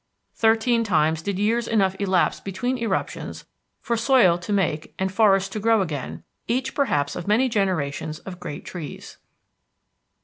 Thirteen times did years enough elapse between eruptions for soil to make and forests to grow again, each perhaps of many generations of great trees.